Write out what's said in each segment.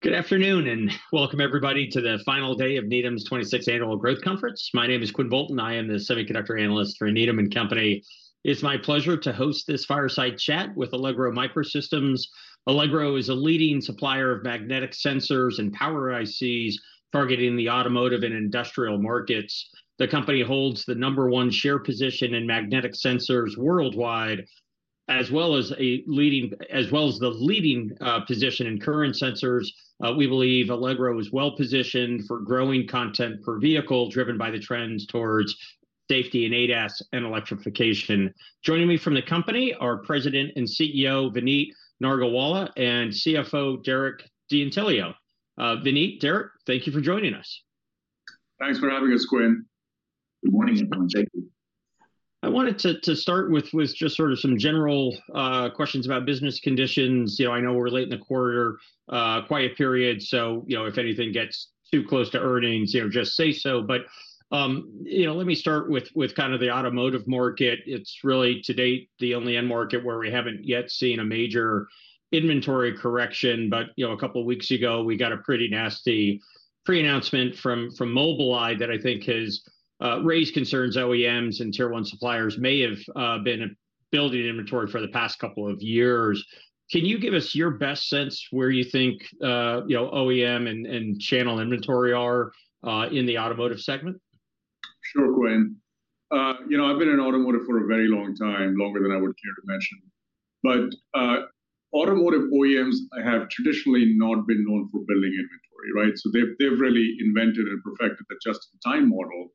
Good afternoon, and welcome everybody to the final day of Needham's 26th Annual Growth Conference. My name is Quinn Bolton. I am the semiconductor analyst for Needham and Company. It's my pleasure to host this fireside chat with Allegro MicroSystems. Allegro is a leading supplier of magnetic sensors and power ICs, targeting the automotive and industrial markets. The company holds the number one share position in magnetic sensors worldwide, as well as a leading—as well as the leading position in current sensors. We believe Allegro is well-positioned for growing content per vehicle, driven by the trends towards safety and ADAS and electrification. Joining me from the company are President and CEO Vineet Nargolwala and CFO Derek D'Antilio. Vineet, Derek, thank you for joining us. Thanks for having us, Quinn. Good morning, and thank you. I wanted to start with just sort of some general questions about business conditions. You know, I know we're late in the quarter, quiet period, so, you know, if anything gets too close to earnings, you know, just say so. But, you know, let me start with kind of the Automotive Market. It's really, to date, the only end market where we haven't yet seen a major inventory correction. But, you know, a couple of weeks ago, we got a pretty nasty pre-announcement from Mobileye that I think has raised concerns OEMs and Tier 1 suppliers may have been building inventory for the past couple of years. Can you give us your best sense where you think, you know, OEM and channel inventory are in the automotive segment? Sure, Quinn. You know, I've been in automotive for a very long time, longer than I would care to mention. But, automotive OEMs have traditionally not been known for building inventory, right? So they've really invented and perfected the just-in-time model,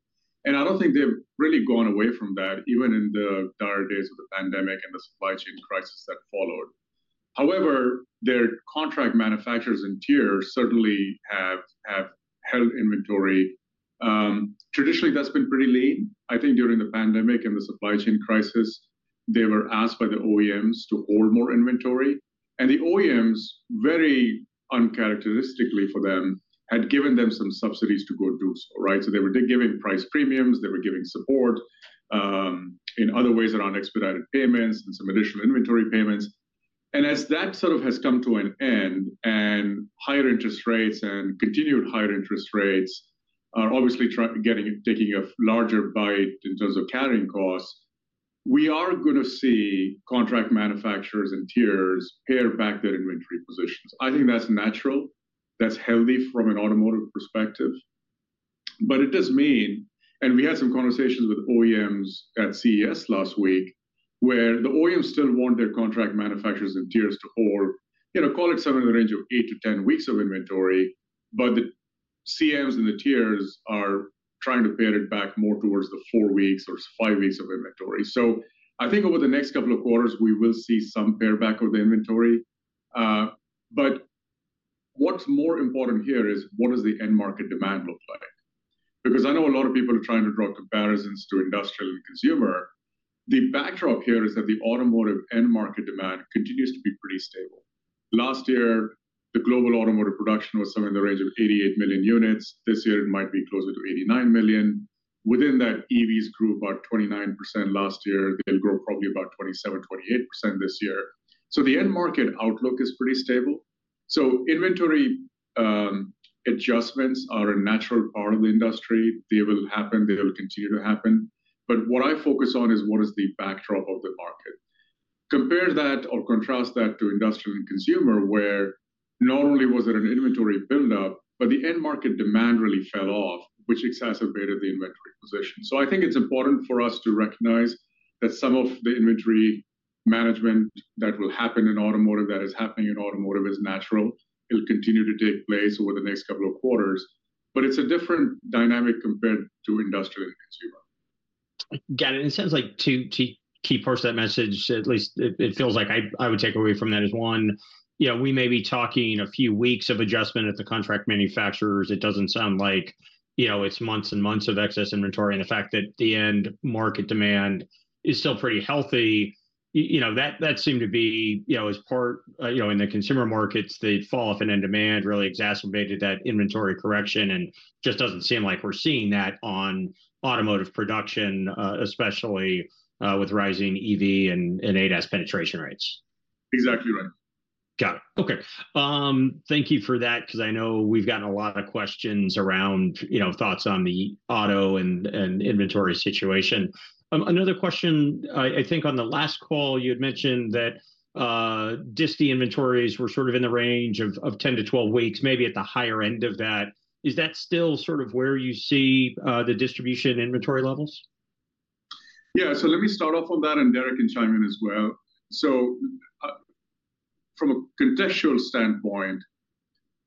and I don't think they've really gone away from that, even in the dire days of the pandemic and the supply chain crisis that followed. However, their contract manufacturers and tiers certainly have held inventory. Traditionally, that's been pretty lean. I think during the pandemic and the supply chain crisis, they were asked by the OEMs to hold more inventory, and the OEMs, very uncharacteristically for them, had given them some subsidies to go do so, right? So they were giving price premiums, they were giving support, in other ways around expedited payments and some additional inventory payments. As that sort of has come to an end, and higher interest rates and continued higher interest rates are obviously taking a larger bite in terms of carrying costs, we are gonna see contract manufacturers and tiers pare back their inventory positions. I think that's natural. That's healthy from an automotive perspective. But it does mean, and we had some conversations with OEMs at CES last week, where the OEMs still want their contract manufacturers and tiers to hold, you know, call it somewhere in the range of eight-10 weeks of inventory, but the CMs and the tiers are trying to pare it back more towards the four weeks or five weeks of inventory. So I think over the next couple of quarters, we will see some pare back of the inventory, but what's more important here is, what does the end market demand look like? Because I know a lot of people are trying to draw comparisons to industrial and consumer. The backdrop here is that the automotive end market demand continues to be pretty stable. Last year, the global automotive production was somewhere in the range of 88 million units. This year, it might be closer to 89 million. Within that, EVs grew about 29% last year. They'll probably grow about 27%-28% this year. So the end market outlook is pretty stable. So inventory adjustments are a natural part of the industry. They will happen. They will continue to happen. But what I focus on is, what is the backdrop of the market? Compare that or contrast that to industrial and consumer, where not only was there an inventory buildup, but the end market demand really fell off, which exacerbated the inventory position. So I think it's important for us to recognize that some of the inventory management that will happen in automotive, that is happening in automotive, is natural. It'll continue to take place over the next couple of quarters, but it's a different dynamic compared to industrial and consumer. Got it. It sounds like two key, key parts of that message, at least it feels like I would take away from that is, one, you know, we may be talking a few weeks of adjustment at the contract manufacturers. It doesn't sound like, you know, it's months and months of excess inventory, and the fact that the end market demand is still pretty healthy. You know, that seemed to be, you know, as part you know, in the consumer markets, the fall off in end demand really exacerbated that inventory correction, and just doesn't seem like we're seeing that on automotive production, especially, with rising EV and ADAS penetration rates. Exactly right. Got it. Okay. Thank you for that, because I know we've gotten a lot of questions around, you know, thoughts on the auto and inventory situation. Another question, I think on the last call, you had mentioned that disti inventories were sort of in the range of 10-12 weeks, maybe at the higher end of that. Is that still sort of where you see the distribution inventory levels? Yeah, so let me start off on that, and Derek can chime in as well. So, from a contextual standpoint,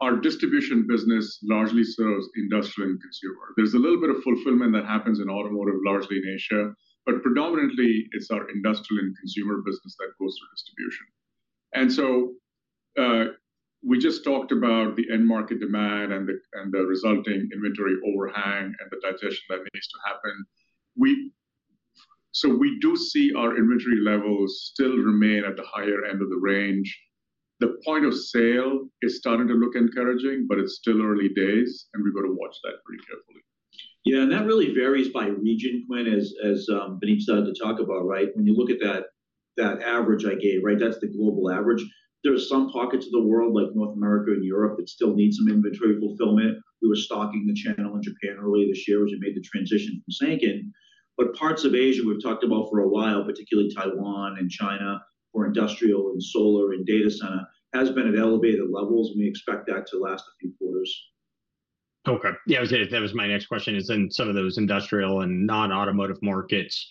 our distribution business largely serves industrial and consumer. There's a little bit of fulfillment that happens in automotive, largely in Asia, but predominantly it's our industrial and consumer business that goes through distribution. And so, we just talked about the end market demand and the resulting inventory overhang and the digestion that needs to happen. So we do see our inventory levels still remain at the higher end of the range. The point of sale is starting to look encouraging, but it's still early days, and we've got to watch that pretty carefully. Yeah, and that really varies by region, Quinn, as Vineet started to talk about, right? When you look at that, that average I gave, right, that's the global average. There are some pockets of the world, like North America and Europe, that still need some inventory fulfillment. We were stocking the channel in Japan earlier this year as we made the transition from Sanken. But parts of Asia we've talked about for a while, particularly Taiwan and China, for industrial and solar and data center, have been at elevated levels, and we expect that to last a few quarters. Okay. Yeah, that was, that was my next question, is in some of those industrial and non-automotive markets,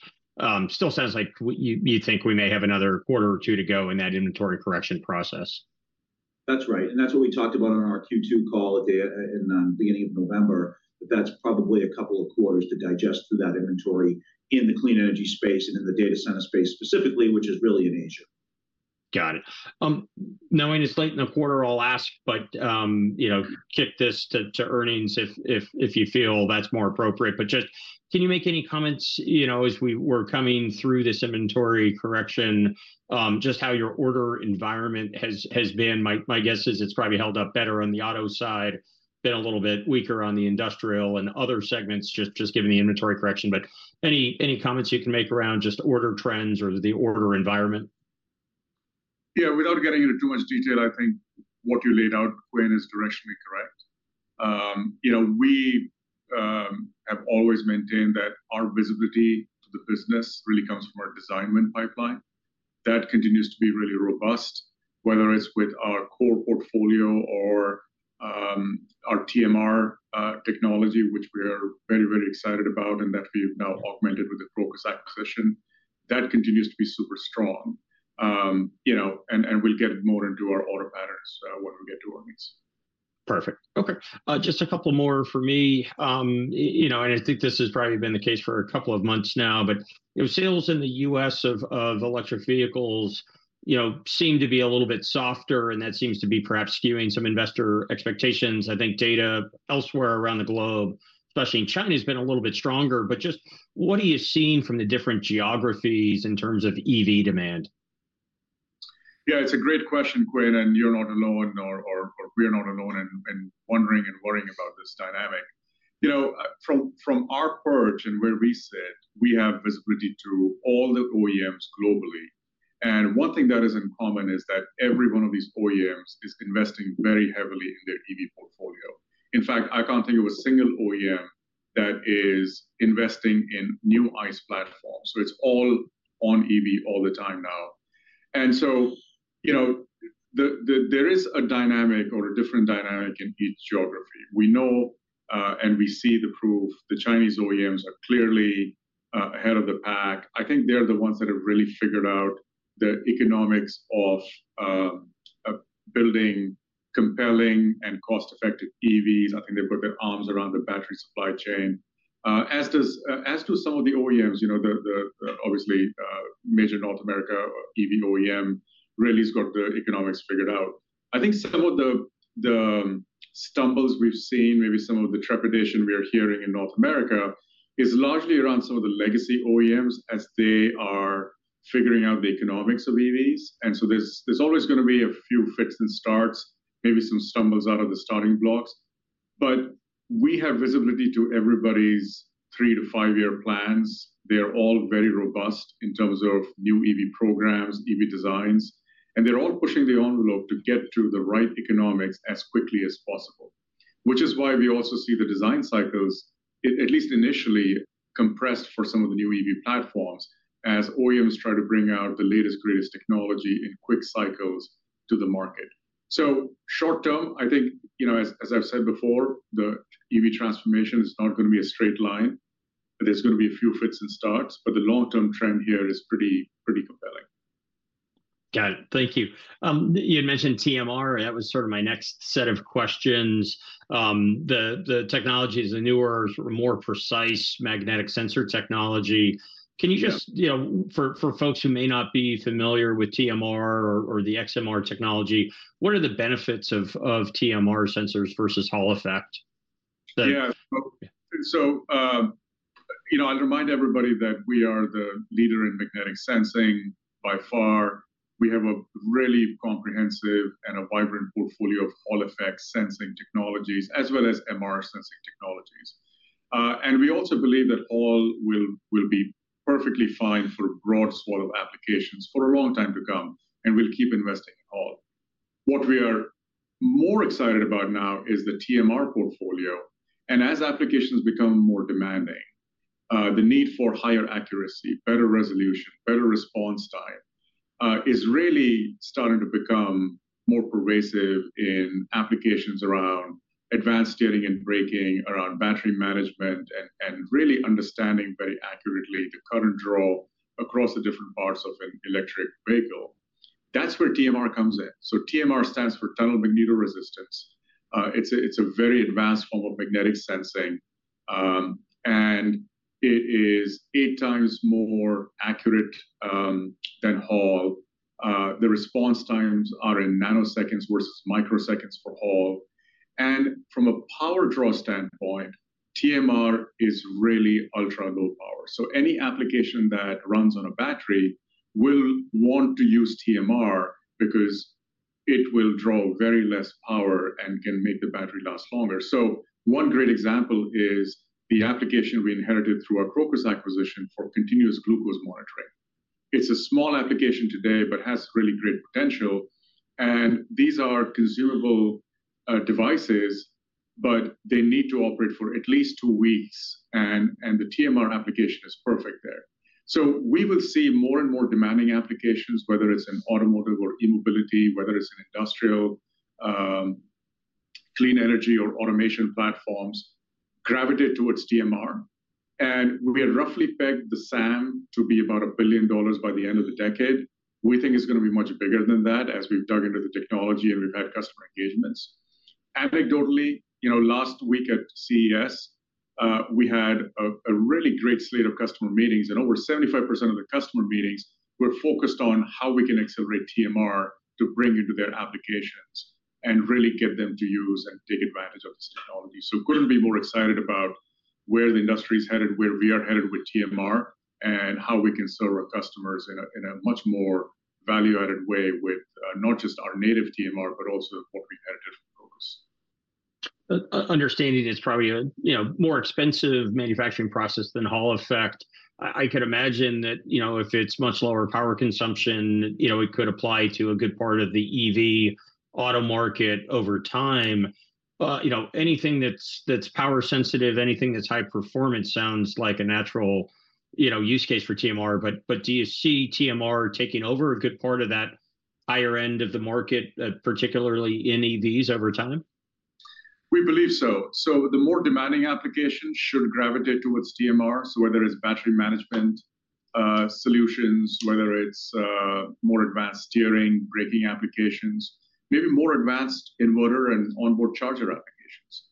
still sounds like you, you think we may have another quarter or two to go in that inventory correction process. That's right, and that's what we talked about on our Q2 call at the beginning of November, that that's probably a couple of quarters to digest through that inventory in the clean energy space and in the data center space specifically, which is really in Asia. Got it. Knowing it's late in the quarter, I'll ask, but you know, kick this to earnings if you feel that's more appropriate. But just, can you make any comments, you know, as we're coming through this inventory correction, just how your order environment has been? My guess is it's probably held up better on the auto side, been a little bit weaker on the industrial and other segments, just given the inventory correction. But any comments you can make around just order trends or the order environment? Yeah, without getting into too much detail, I think what you laid out, Quinn, is directionally correct. You know, we have always maintained that our visibility to the business really comes from our design win pipeline. That continues to be really robust, whether it's with our core portfolio or our TMR technology, which we are very, very excited about and that we've now augmented with the Crocus acquisition. That continues to be super strong. You know, and we'll get more into our order patterns when we get to our meetings. Perfect. Okay. Just a couple more for me. You know, and I think this has probably been the case for a couple of months now, but, you know, sales in the U.S. of electric vehicles, you know, seem to be a little bit softer, and that seems to be perhaps skewing some investor expectations. I think data elsewhere around the globe, especially in China, has been a little bit stronger. But just what are you seeing from the different geographies in terms of EV demand? Yeah, it's a great question, Quinn, and you're not alone or we're not alone in wondering and worrying about this dynamic. You know, from our perch and where we sit, we have visibility to all the OEMs globally, and one thing that is in common is that every one of these OEMs is investing very heavily in their EV portfolio. In fact, I can't think of a single OEM that is investing in new ICE platforms, so it's all on EV all the time now. And so, you know, there is a dynamic or a different dynamic in each geography. We know, and we see the proof. The Chinese OEMs are clearly ahead of the pack. I think they're the ones that have really figured out the economics of building compelling and cost-effective EVs. I think they've put their arms around the battery supply chain, as does, as do some of the OEMs, you know, the, the, obviously, major North America EV OEM really has got the economics figured out. I think some of the stumbles we've seen, maybe some of the trepidation we are hearing in North America, is largely around some of the legacy OEMs as they are figuring out the economics of EVs. And so there's always gonna be a few fits and starts, maybe some stumbles out of the starting blocks. But we have visibility to everybody's three to five year plans. They're all very robust in terms of new EV programs, EV designs, and they're all pushing the envelope to get to the right economics as quickly as possible. Which is why we also see the design cycles, at least initially, compressed for some of the new EV platforms as OEMs try to bring out the latest, greatest technology in quick cycles to the market. So short term, I think, you know, as I've said before, the EV transformation is not gonna be a straight line, and there's gonna be a few fits and starts, but the long-term trend here is pretty, pretty compelling. Got it. Thank you. You had mentioned TMR, that was sort of my next set of questions. The technology is a newer, sort of more precise magnetic sensor technology. Yeah. Can you just... You know, for folks who may not be familiar with TMR or the XMR technology, what are the benefits of TMR sensors versus Hall effect? Yeah. So, you know, I'll remind everybody that we are the leader in magnetic sensing by far. We have a really comprehensive and a vibrant portfolio of Hall effect sensing technologies, as well as MR sensing technologies. We also believe that Hall will be perfectly fine for a broad swath of applications for a long time to come, and we'll keep investing in Hall. What we are more excited about now is the TMR portfolio, and as applications become more demanding, the need for higher accuracy, better resolution, better response time, is really starting to become more pervasive in applications around advanced steering and braking, around battery management, and really understanding very accurately the current draw across the different parts of an electric vehicle. That's where TMR comes in. TMR stands for Tunnel Magnetoresistance. It's a very advanced form of magnetic sensing, and it is eight times more accurate than Hall. The response times are in nanoseconds versus microseconds for Hall. And from a power draw standpoint, TMR is really ultra-low power. So any application that runs on a battery will want to use TMR because it will draw very little power and can make the battery last longer. So one great example is the application we inherited through our Crocus acquisition for continuous glucose monitoring. It's a small application today, but has really great potential, and these are consumable devices, but they need to operate for at least two weeks, and the TMR application is perfect there. So we will see more and more demanding applications, whether it's in automotive or e-mobility, whether it's in industrial, clean energy or automation platforms, gravitate towards TMR. We had roughly pegged the SAM to be about $1 billion by the end of the decade. We think it's gonna be much bigger than that, as we've dug into the technology and we've had customer engagements. Anecdotally, you know, last week at CES, we had a really great slate of customer meetings, and over 75% of the customer meetings were focused on how we can accelerate TMR to bring into their applications and really get them to use and take advantage of this technology. Couldn't be more excited about where the industry's headed, where we are headed with TMR, and how we can serve our customers in a much more value-added way with not just our native TMR, but also what we had at Crocus. Understanding it's probably a, you know, more expensive manufacturing process than Hall Effect, I could imagine that, you know, if it's much lower power consumption, you know, it could apply to a good part of the EV auto market over time. You know, anything that's, that's power sensitive, anything that's high performance sounds like a natural, you know, use case for TMR. But do you see TMR taking over a good part of that higher end of the market, particularly in EVs over time? We believe so. So the more demanding applications should gravitate towards TMR, so whether it's battery management, solutions, whether it's, more advanced steering, braking applications, maybe more advanced inverter and onboard charger applications.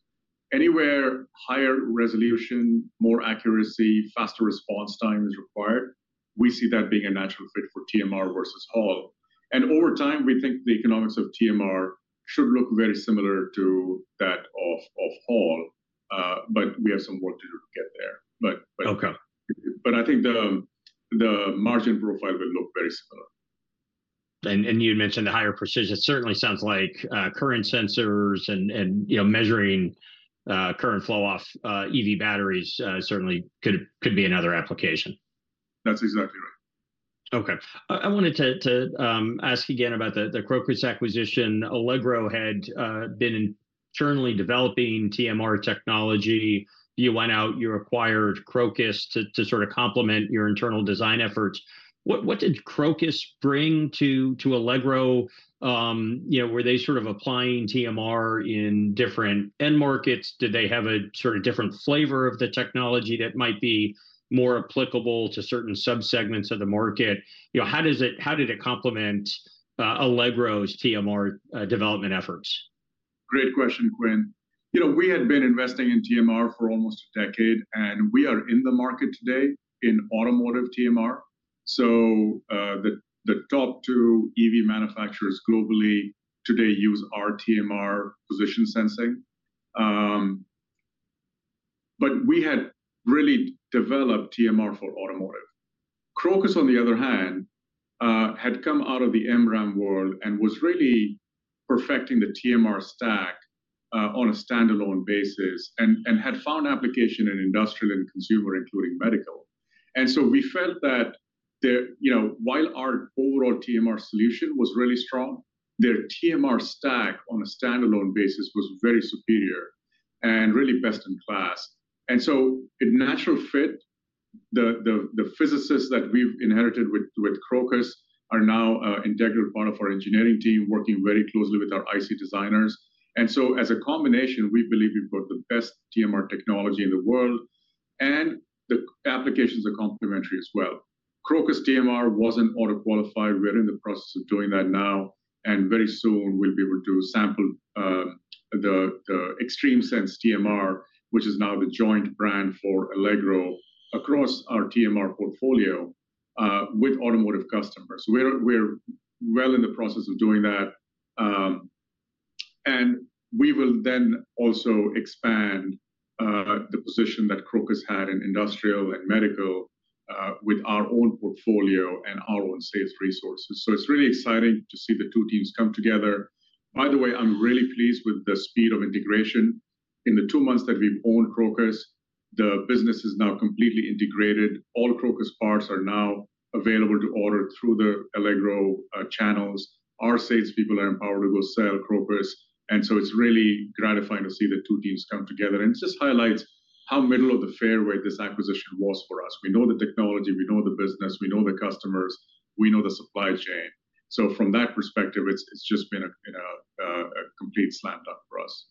Anywhere higher resolution, more accuracy, faster response time is required, we see that being a natural fit for TMR versus Hall. And over time, we think the economics of TMR should look very similar to that of Hall, but we have some work to do to get there. But- Okay. I think the margin profile will look very similar. You had mentioned the higher precision. It certainly sounds like current sensors and, you know, measuring current flow off EV batteries certainly could be another application. That's exactly right. Okay. I wanted to ask again about the Crocus acquisition. Allegro had been internally developing TMR technology. You went out, you acquired Crocus to sort of complement your internal design efforts. What did Crocus bring to Allegro? You know, were they sort of applying TMR in different end markets? Did they have a sort of different flavor of the technology that might be more applicable to certain subsegments of the market? You know, how does it - how did it complement Allegro's TMR development efforts? Great question, Quinn. You know, we had been investing in TMR for almost a decade, and we are in the market today in automotive TMR. So, the top two EV manufacturers globally today use our TMR position sensing. But we had really developed TMR for automotive. Crocus, on the other hand, had come out of the MRAM world and was really perfecting the TMR stack, on a standalone basis and had found application in industrial and consumer, including medical. And so we felt that, you know, while our overall TMR solution was really strong, their TMR stack on a standalone basis was very superior and really best in class, and so a natural fit. The physicists that we've inherited with Crocus are now an integral part of our engineering team, working very closely with our IC designers. And so as a combination, we believe we've got the best TMR technology in the world, and the applications are complementary as well. Crocus TMR wasn't auto-qualified. We're in the process of doing that now, and very soon we'll be able to sample the XtremeSense TMR, which is now the joint brand for Allegro, across our TMR portfolio, with automotive customers. We're well in the process of doing that, and we will then also expand the position that Crocus had in industrial and medical, with our own portfolio and our own sales resources. So it's really exciting to see the two teams come together. By the way, I'm really pleased with the speed of integration. In the two months that we've owned Crocus, the business is now completely integrated. All Crocus parts are now available to order through the Allegro channels. Our sales people are empowered to go sell Crocus, and so it's really gratifying to see the two teams come together, and it just highlights how middle of the fairway this acquisition was for us. We know the technology, we know the business, we know the customers, we know the supply chain. So from that perspective, it's just been a, you know, a complete slam dunk for us.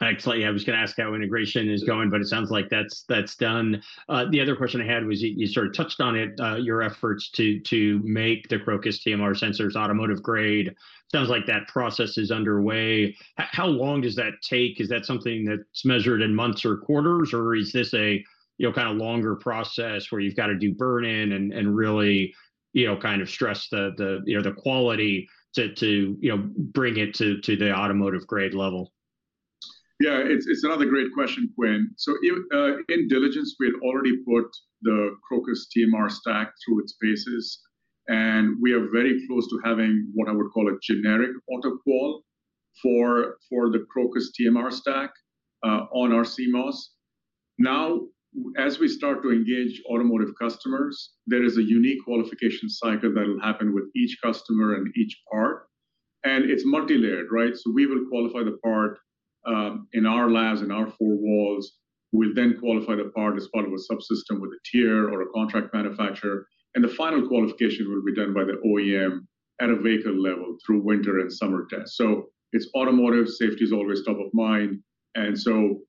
Excellent. I was gonna ask how integration is going, but it sounds like that's, that's done. The other question I had was, you sort of touched on it, your efforts to make the Crocus TMR sensors automotive grade. Sounds like that process is underway. How long does that take? Is that something that's measured in months or quarters, or is this a, you know, kind of longer process, where you've got to do burn-in and really, you know, kind of stress the quality to bring it to the automotive grade level? ... Yeah, it's another great question, Quinn. So in diligence, we had already put the Crocus TMR stack through its paces, and we are very close to having what I would call a generic auto qual for the Crocus TMR stack on our CMOS. Now, as we start to engage automotive customers, there is a unique qualification cycle that'll happen with each customer and each part, and it's multilayered, right? So we will qualify the part in our labs, in our four walls. We'll then qualify the part as part of a subsystem with a tier or a contract manufacturer, and the final qualification will be done by the OEM at a vehicle level through winter and summer tests. So it's automotive, safety is always top of mind, and so,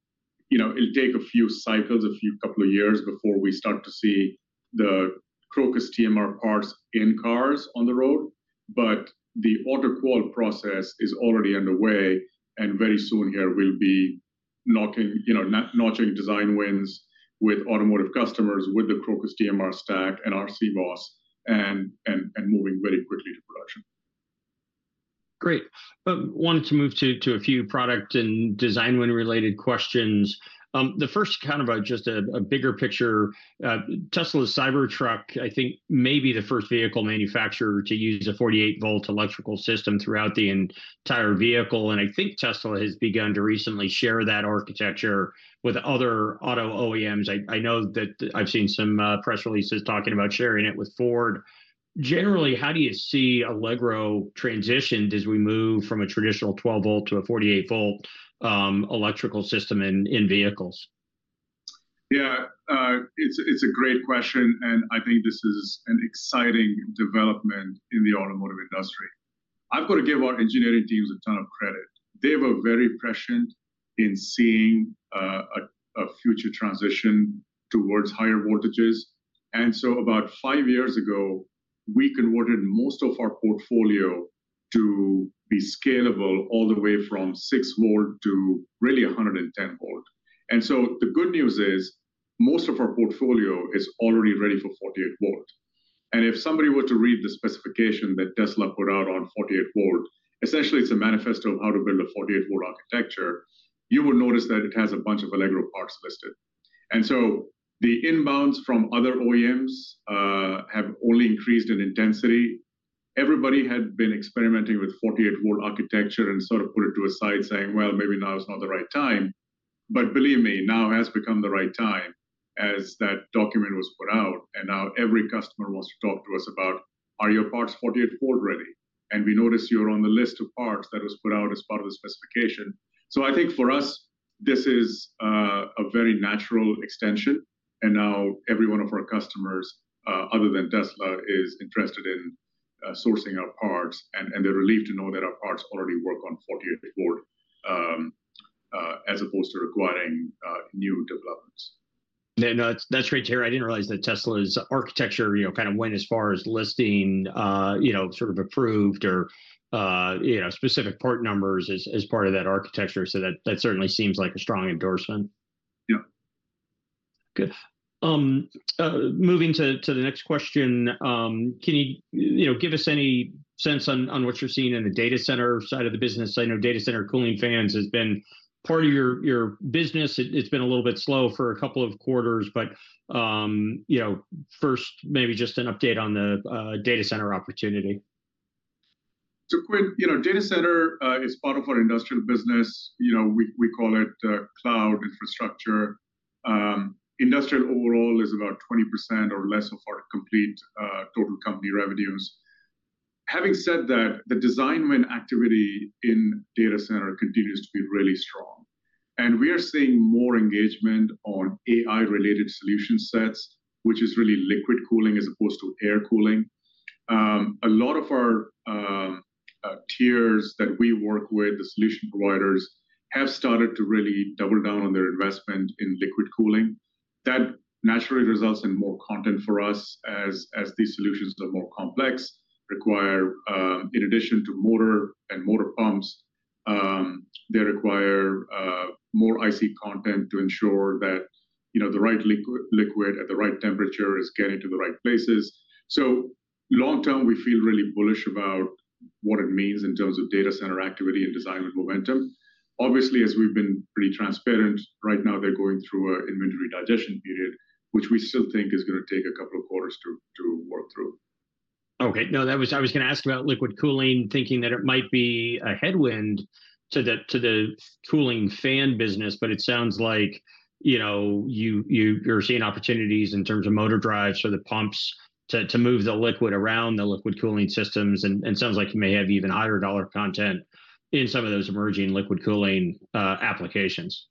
you know, it'll take a few cycles, a few couple of years before we start to see the Crocus TMR parts in cars on the road. But the auto qual process is already underway, and very soon here we'll be knocking, you know, notching design wins with automotive customers, with the Crocus TMR stack and our CMOS, and moving very quickly to production. Great. Wanted to move to a few product and design win-related questions. The first kind of just a bigger picture, Tesla's Cybertruck, I think, may be the first vehicle manufacturer to use a 48-volt electrical system throughout the entire vehicle, and I think Tesla has begun to recently share that architecture with other auto OEMs. I know that I've seen some press releases talking about sharing it with Ford. Generally, how do you see Allegro transitioned as we move from a traditional 12-volt to a 48-volt electrical system in vehicles? Yeah, it's a great question, and I think this is an exciting development in the automotive industry. I've got to give our engineering teams a ton of credit. They were very prescient in seeing a future transition towards higher voltages. And so about 5 years ago, we converted most of our portfolio to be scalable all the way from 6 volt to really 110 volt. And so the good news is, most of our portfolio is already ready for 48-volt. And if somebody were to read the specification that Tesla put out on 48-volt, essentially it's a manifesto of how to build a 48-volt architecture, you would notice that it has a bunch of Allegro parts listed. And so the inbounds from other OEMs have only increased in intensity. Everybody had been experimenting with 48-volt architecture and sort of put it to a side, saying, "Well, maybe now is not the right time." But believe me, now has become the right time, as that document was put out, and now every customer wants to talk to us about, "Are your parts 48-volt ready? And we notice you're on the list of parts that was put out as part of the specification." So I think for us, this is a very natural extension, and now every one of our customers, other than Tesla, is interested in sourcing our parts, and they're relieved to know that our parts already work on 48-volt, as opposed to requiring new developments. Yeah, no, that's great to hear. I didn't realize that Tesla's architecture, you know, kind of went as far as listing, you know, sort of approved or, you know, specific part numbers as part of that architecture, so that certainly seems like a strong endorsement. Yeah. Good. Moving to the next question, can you, you know, give us any sense on what you're seeing in the data center side of the business? I know data center cooling fans has been part of your business. It's been a little bit slow for a couple of quarters, but you know, first maybe just an update on the data center opportunity. So Quinn, you know, data center is part of our industrial business. You know, we call it cloud infrastructure. Industrial overall is about 20% or less of our complete total company revenues. Having said that, the design win activity in data center continues to be really strong, and we are seeing more engagement on AI-related solution sets, which is really liquid cooling as opposed to air cooling. A lot of our tiers that we work with, the solution providers, have started to really double down on their investment in liquid cooling. That naturally results in more content for us as these solutions are more complex, require, in addition to motor and motor pumps, they require more IC content to ensure that, you know, the right liquid at the right temperature is getting to the right places. So long term, we feel really bullish about what it means in terms of data center activity and design and momentum. Obviously, as we've been pretty transparent, right now they're going through an inventory digestion period, which we still think is gonna take a couple of quarters to work through. Okay. No, I was gonna ask about liquid cooling, thinking that it might be a headwind to the, to the cooling fan business, but it sounds like, you know, you, you, you're seeing opportunities in terms of motor drives or the pumps to, to move the liquid around the liquid cooling systems, and, and sounds like you may have even higher dollar content in some of those emerging liquid cooling applications.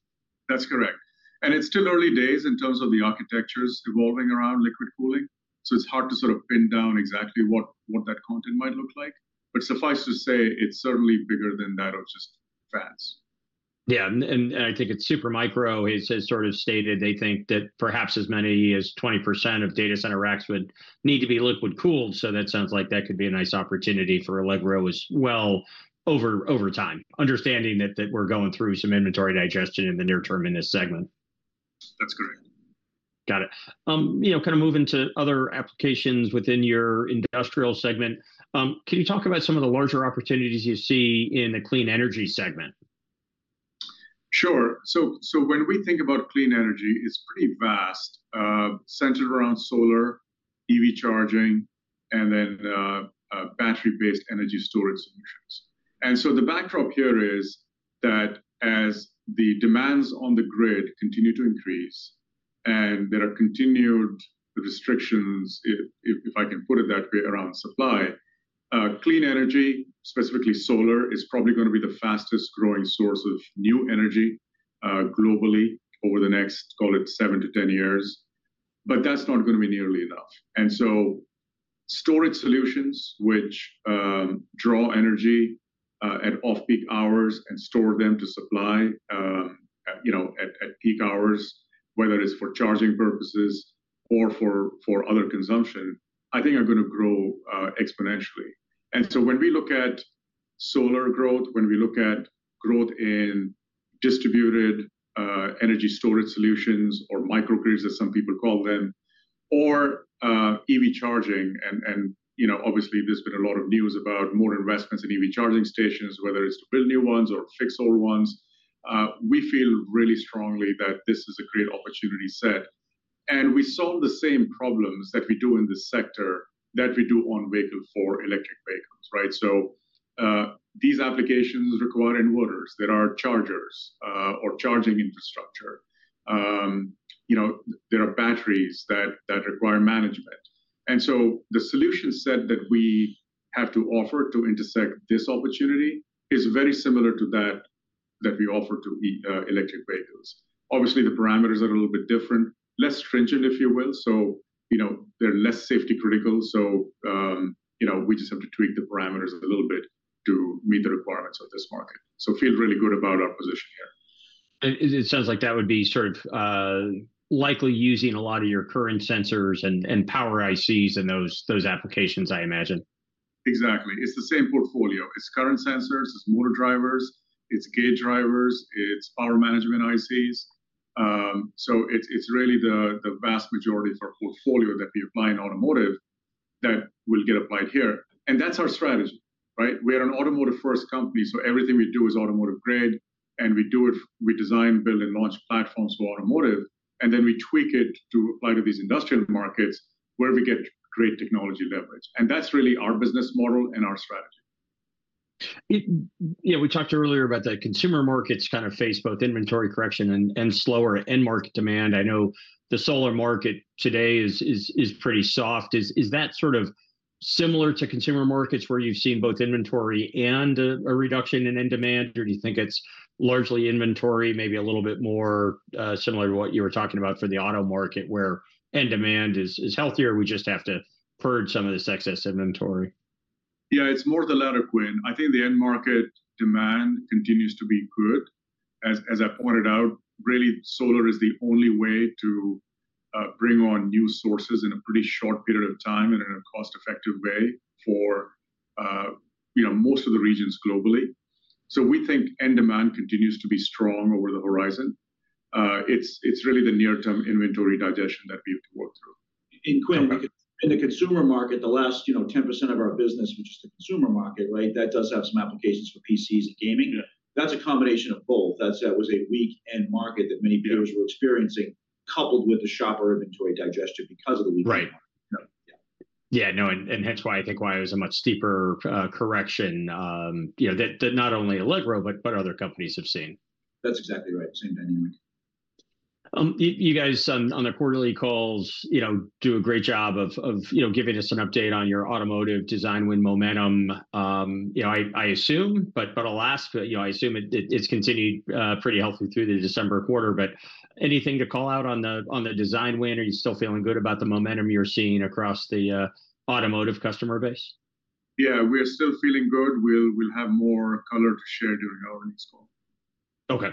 That's correct. It's still early days in terms of the architectures evolving around liquid cooling, so it's hard to sort of pin down exactly what that content might look like. Suffice to say, it's certainly bigger than that of just fans. Yeah, and I think it's Supermicro has sort of stated they think that perhaps as many as 20% of data center racks would need to be liquid-cooled, so that sounds like that could be a nice opportunity for Allegro as well over time, understanding that we're going through some inventory digestion in the near term in this segment. That's correct. Got it. You know, kind of moving to other applications within your industrial segment, can you talk about some of the larger opportunities you see in the clean energy segment? Sure. So when we think about clean energy, it's pretty vast, centered around solar, EV charging, and then battery-based energy storage solutions. And so the backdrop here is that as the demands on the grid continue to increase, and there are continued restrictions, if I can put it that way, around supply, clean energy, specifically solar, is probably gonna be the fastest-growing source of new energy globally over the next, call it 7-10 years. But that's not gonna be nearly enough. And so storage solutions, which draw energy at off-peak hours and store them to supply at, you know, peak hours, whether it's for charging purposes or for other consumption, I think are gonna grow exponentially. When we look at solar growth, when we look at growth in distributed energy storage solutions or micro-grids, as some people call them, or EV charging, and you know, obviously there's been a lot of news about more investments in EV charging stations, whether it's to build new ones or fix old ones, we feel really strongly that this is a great opportunity set. We solve the same problems that we do in this sector, that we do on vehicle for electric vehicles, right? These applications require inverters. There are chargers or charging infrastructure. There are batteries that require management. So the solution set that we have to offer to intersect this opportunity is very similar to that we offer to electric vehicles. Obviously, the parameters are a little bit different. Less stringent, if you will, so, you know, they're less safety critical, so, you know, we just have to tweak the parameters a little bit to meet the requirements of this market. So feel really good about our position here. It sounds like that would be sort of likely using a lot of your current sensors and power ICs in those applications, I imagine. Exactly. It's the same portfolio. It's current sensors, it's motor drivers, it's gate drivers, it's power management ICs. So it's really the vast majority of our portfolio that we apply in automotive that will get applied here, and that's our strategy, right? We're an automotive-first company, so everything we do is automotive grade, and we do it, we design, build, and launch platforms for automotive, and then we tweak it to apply to these industrial markets where we get great technology leverage, and that's really our business model and our strategy. You know, we talked earlier about the consumer markets kind of face both inventory correction and slower end market demand. I know the solar market today is pretty soft. Is that sort of similar to consumer markets, where you've seen both inventory and a reduction in end demand, or do you think it's largely inventory, maybe a little bit more similar to what you were talking about for the auto market, where end demand is healthier, we just have to purge some of this excess inventory? Yeah, it's more the latter, Quinn. I think the end market demand continues to be good. As I pointed out, really, solar is the only way to bring on new sources in a pretty short period of time and in a cost-effective way for, you know, most of the regions globally. So we think end demand continues to be strong over the horizon. It's really the near-term inventory digestion that we have to work through. Quinn, in the consumer market, the last, you know, 10% of our business, which is the consumer market, right, that does have some applications for PCs and gaming- Yeah. That's a combination of both. That's, that was a weak end market that many peers were experiencing, coupled with the channel inventory digestion because of the weak market. Right. Yeah. Yeah, no, and hence why I think why it was a much steeper correction, you know, that not only Allegro but other companies have seen. That's exactly right, same dynamic. You guys on the quarterly calls, you know, do a great job of giving us an update on your automotive design win momentum. You know, I assume, but I'll ask, you know, I assume it's continued pretty healthy through the December quarter. But anything to call out on the design win? Are you still feeling good about the momentum you're seeing across the automotive customer base? Yeah, we are still feeling good. We'll, we'll have more color to share during our next call. Okay.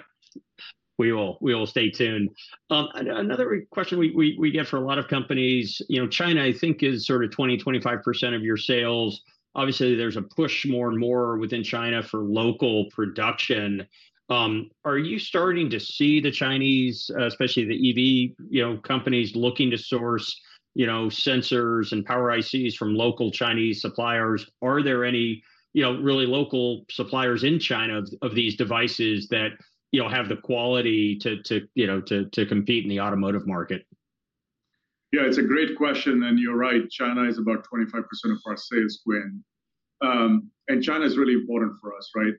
We will, we will stay tuned. Another question we get for a lot of companies, you know, China, I think, is sort of 20-25% of your sales. Obviously, there's a push more and more within China for local production. Are you starting to see the Chinese, especially the EV, you know, companies, looking to source, you know, sensors and power ICs from local Chinese suppliers? Are there any, you know, really local suppliers in China of these devices that you know have the quality to you know to compete in the automotive market? Yeah, it's a great question, and you're right, China is about 25% of our sales, Quinn. And China is really important for us, right?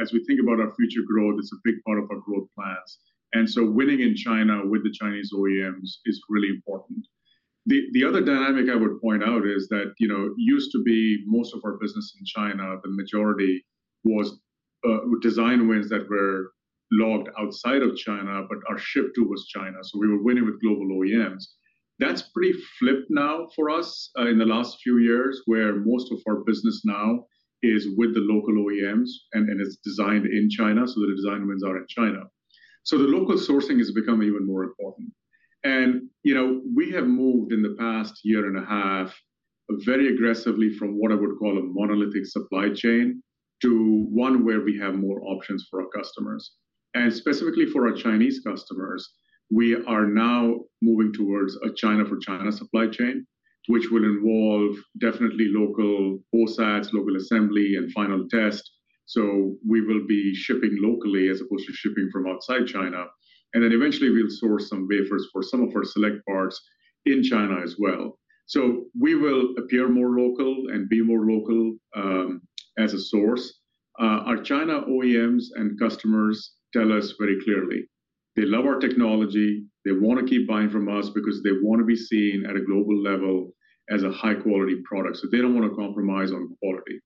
As we think about our future growth, it's a big part of our growth plans, and so winning in China with the Chinese OEMs is really important. The other dynamic I would point out is that, you know, used to be most of our business in China, the majority was design wins that were logged outside of China, but our ship to was China, so we were winning with global OEMs. That's pretty flipped now for us in the last few years, where most of our business now is with the local OEMs, and it's designed in China, so the design wins are in China. So the local sourcing has become even more important. You know, we have moved in the past year and a half very aggressively from what I would call a monolithic supply chain to one where we have more options for our customers. Specifically for our Chinese customers, we are now moving towards a China-for-China supply chain, which would involve definitely local OSATs, local assembly, and final test. We will be shipping locally as opposed to shipping from outside China, and then eventually we'll source some wafers for some of our select parts in China as well. We will appear more local and be more local, as a source. Our China OEMs and customers tell us very clearly, they love our technology, they wanna keep buying from us because they wanna be seen at a global level as a high-quality product. They don't wanna compromise on quality.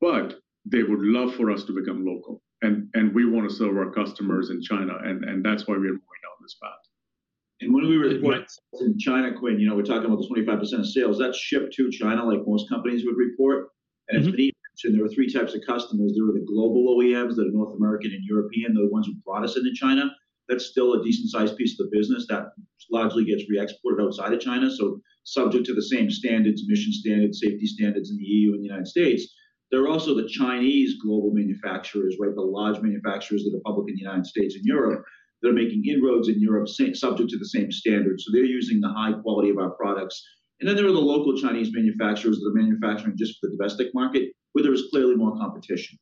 But they would love for us to become local, and we wanna serve our customers in China, and that's why we are going down this path. When we were in China, Quinn, you know, we're talking about the 25% of sales that's shipped to China, like most companies would report. Mm-hmm. There are three types of customers. There were the global OEMs that are North American and European, they're the ones who brought us into China. That's still a decent-sized piece of the business that largely gets re-exported outside of China, so subject to the same standards, emission standards, safety standards in the EU and the United States. There are also the Chinese global manufacturers, right? The large manufacturers that are public in the United States and Europe, that are making inroads in Europe, same, subject to the same standards, so they're using the high quality of our products. And then there are the local Chinese manufacturers that are manufacturing just for the domestic market, where there is clearly more competition.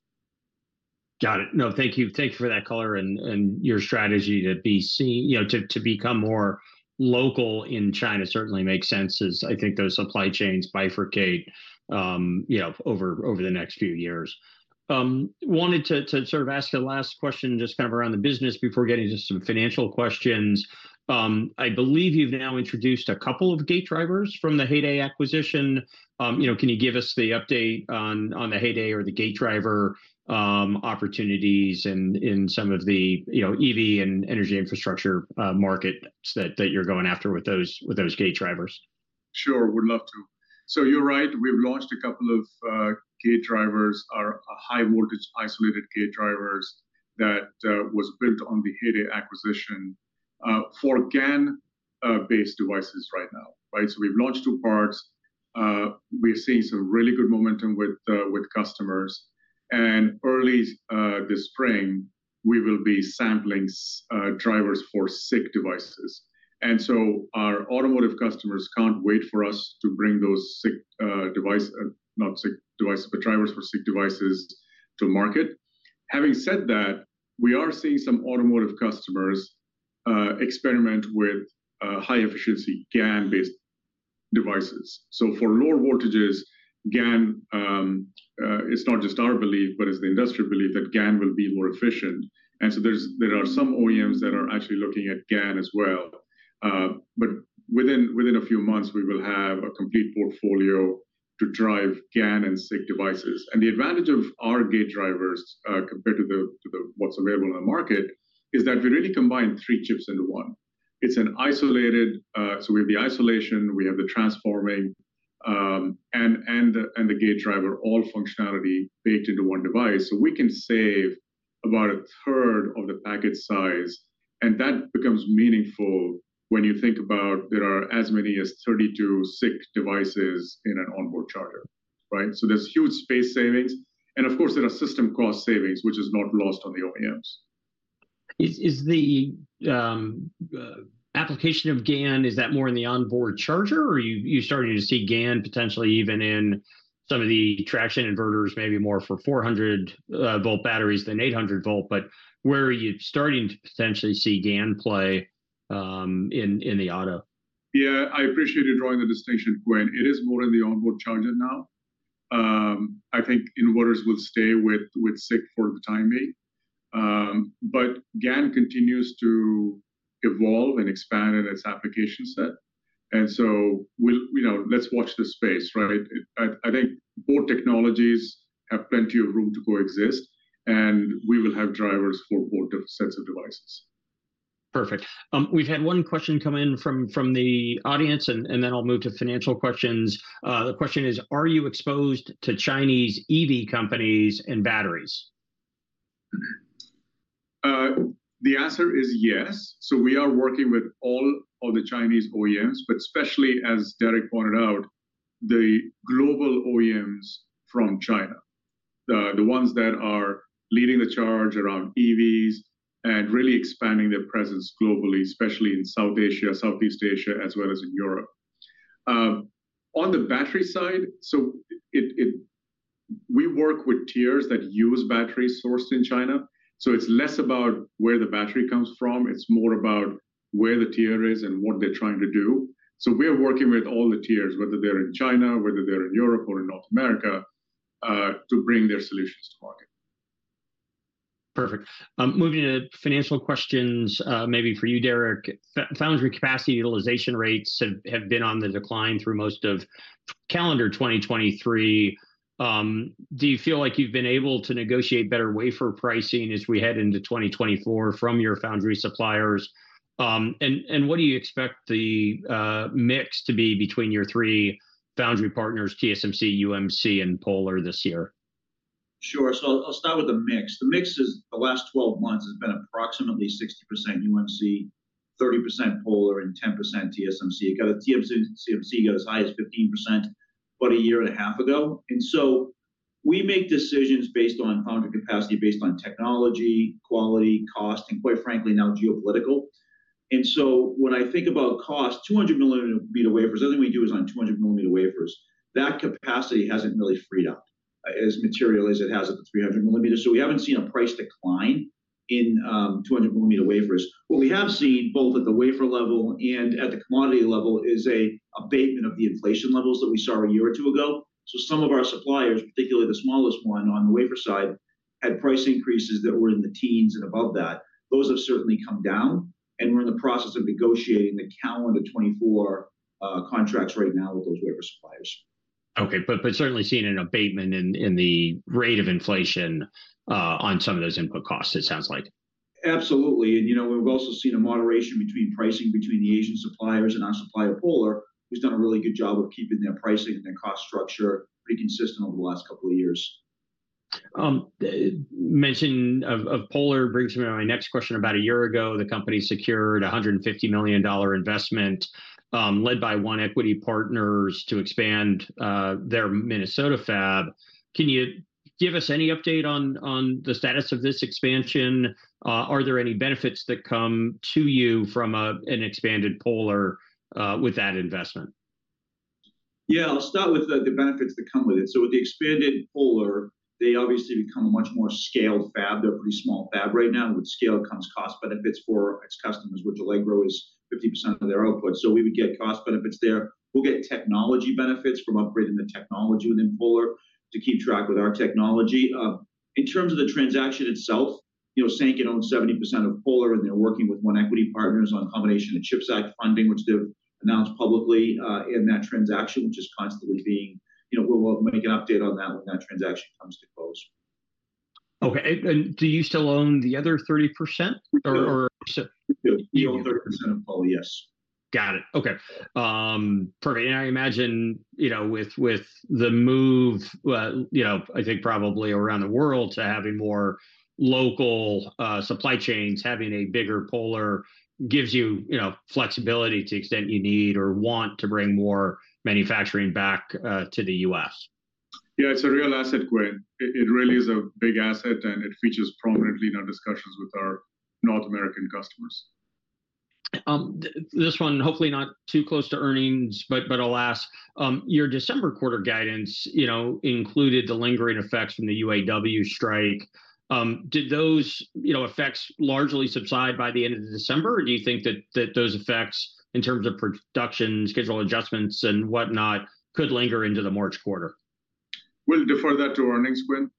Got it. No, thank you. Thank you for that color and your strategy to be seen... You know, to become more local in China certainly makes sense as I think those supply chains bifurcate, you know, over the next few years. Wanted to sort of ask a last question just kind of around the business before getting to some financial questions. I believe you've now introduced a couple of gate drivers from the heyday acquisition. You know, can you give us the update on the heyday or the gate driver opportunities in some of the, you know, EV and energy infrastructure markets that you're going after with those gate drivers? Sure, would love to. So you're right, we've launched a couple of gate drivers. Our high-voltage isolated gate drivers that was built on the heyday acquisition for GaN based devices right now, right? So we've launched two parts. We're seeing some really good momentum with customers, and early this spring, we will be sampling drivers for SiC devices. And so our automotive customers can't wait for us to bring those SiC, not SiC devices, but drivers for SiC devices to market. Having said that, we are seeing some automotive customers experiment with high-efficiency GaN-based devices. So for lower voltages, GaN, it's not just our belief, but it's the industry belief, that GaN will be more efficient. And so there are some OEMs that are actually looking at GaN as well. But within a few months, we will have a complete portfolio to drive GaN and SiC devices. And the advantage of our gate drivers, compared to what's available on the market, is that we really combine three chips into one. It's an isolated, so we have the isolation, we have the transformer, and the gate driver, all functionality baked into one device. So we can save about a third of the package size, and that becomes meaningful when you think about there are as many as 32 SiC devices in an onboard charger, right? So there's huge space savings, and of course, there are system cost savings, which is not lost on the OEMs. Is the application of GaN more in the onboard charger, or are you starting to see GaN potentially even in some of the traction inverters, maybe more for 400-volt batteries than 800-volt? But where are you starting to potentially see GaN play in the auto? Yeah, I appreciate you drawing the distinction, Quinn. It is more in the onboard charger now. I think inverters will stay with SiC for the time being. But GaN continues to evolve and expand in its application set, and so we'll... You know, let's watch this space, right? I think both technologies have plenty of room to coexist, and we will have drivers for both of sets of devices. Perfect. We've had one question come in from the audience, and then I'll move to financial questions. The question is, are you exposed to Chinese EV companies and batteries? The answer is yes. So we are working with all of the Chinese OEMs, but especially, as Derek pointed out, the global OEMs from China. The ones that are leading the charge around EVs and really expanding their presence globally, especially in South Asia, Southeast Asia, as well as in Europe. On the battery side, so we work with tiers that use batteries sourced in China, so it's less about where the battery comes from, it's more about where the tier is and what they're trying to do. So we are working with all the tiers, whether they're in China, whether they're in Europe or in North America, to bring their solutions to market. Perfect. Moving to financial questions, maybe for you, Derek. Foundry capacity utilization rates have been on the decline through most of calendar 2023. Do you feel like you've been able to negotiate better wafer pricing as we head into 2024 from your foundry suppliers? What do you expect the mix to be between your three foundry partners, TSMC, UMC, and Polar this year? ... Sure. So I'll, I'll start with the mix. The mix is, the last 12 months has been approximately 60% UMC, 30% Polar, and 10% TSMC. Kinda TSMC got as high as 15% about a year and a half ago. And so we make decisions based on foundry capacity, based on technology, quality, cost, and quite frankly, now geopolitical. And so when I think about cost, 200 millimeter wafers, everything we do is on 200 millimeter wafers. That capacity hasn't really freed up as material as it has at the 300 millimeter. So we haven't seen a price decline in 200 millimeter wafers. What we have seen, both at the wafer level and at the commodity level, is an abatement of the inflation levels that we saw a year or two ago. So some of our suppliers, particularly the smallest one on the wafer side, had price increases that were in the teens and above that. Those have certainly come down, and we're in the process of negotiating the calendar 2024 contracts right now with those wafer suppliers. Okay. But certainly seeing an abatement in the rate of inflation on some of those input costs, it sounds like? Absolutely. And, you know, we've also seen a moderation between pricing between the Asian suppliers and our supplier, Polar, who's done a really good job of keeping their pricing and their cost structure pretty consistent over the last couple of years. The mention of Polar brings me to my next question. About a year ago, the company secured a $150 million investment, led by One Equity Partners to expand their Minnesota fab. Can you give us any update on the status of this expansion? Are there any benefits that come to you from an expanded Polar with that investment? Yeah, I'll start with the benefits that come with it. So with the expanded Polar, they obviously become a much more scaled fab. They're a pretty small fab right now. With scale comes cost benefits for its customers, which Allegro is 50% of their output. So we would get cost benefits there. We'll get technology benefits from upgrading the technology within Polar to keep track with our technology. In terms of the transaction itself, you know, Sanken owns 70% of Polar, and they're working with One Equity Partners on a combination of CHIPS Act funding, which they've announced publicly, in that transaction, which is constantly being... You know, we'll make an update on that when that transaction comes to close. Okay. And do you still own the other 30%, or? We do. We own 30% of Polar, yes. Got it. Okay. Perfect. And I imagine, you know, with, with the move, well, you know, I think probably around the world, to having more local supply chains, having a bigger Polar gives you, you know, flexibility to the extent you need or want to bring more manufacturing back to the U.S. Yeah, it's a real asset, Quinn. It, it really is a big asset, and it features prominently in our discussions with our North American customers. This one, hopefully not too close to earnings, but I'll ask. Your December quarter guidance, you know, included the lingering effects from the UAW strike. Did those, you know, effects largely subside by the end of December, or do you think that those effects, in terms of production, schedule adjustments, and whatnot, could linger into the March quarter? We'll defer that to earnings, Quinn.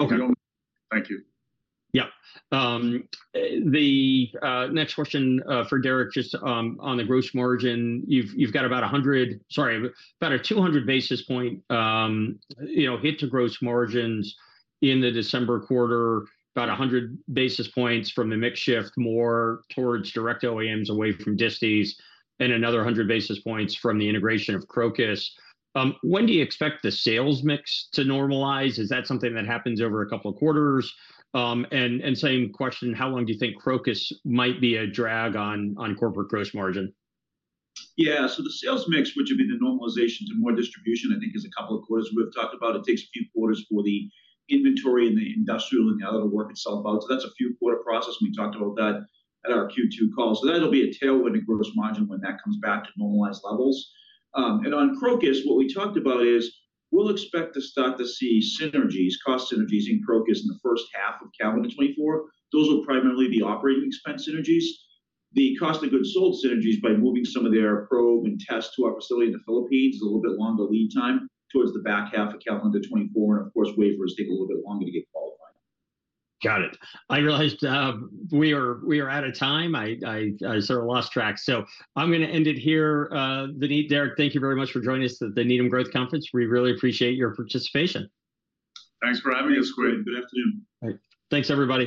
Okay. Thank you. Yeah. The next question for Derek, just on the gross margin. You've got about 200 basis point, you know, hit to gross margins in the December quarter, about 100 basis points from the mix shift, more towards direct OEMs, away from disties, and another 100 basis points from the integration of Crocus. When do you expect the sales mix to normalize? Is that something that happens over a couple of quarters? And same question, how long do you think Crocus might be a drag on corporate gross margin? Yeah. So the sales mix, which would be the normalization to more distribution, I think is a couple of quarters. We've talked about it takes a few quarters for the inventory and the industrial and the other to work itself out. So that's a few quarter process. We talked about that at our Q2 call. So that'll be a tailwind to gross margin when that comes back to normalized levels. And on Crocus, what we talked about is, we'll expect to start to see synergies, cost synergies in Crocus in the first half of calendar 2024. Those will primarily be operating expense synergies. The cost of goods sold synergies by moving some of their probe and test to our facility in the Philippines is a little bit longer lead time towards the back half of calendar 2024, and of course, wafers take a little bit longer to get qualified. Got it. I realized, we are out of time. I sort of lost track. So I'm gonna end it here. Vineet, Derek, thank you very much for joining us at the Needham Growth Conference. We really appreciate your participation. Thanks for having us, Quinn. Good afternoon. Thanks. Thanks, everybody.